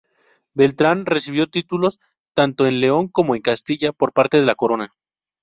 Beltrán recibió títulos tanto en León como en Castilla por parte de la corona.